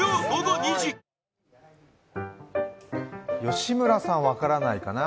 吉村さん、分からないかな。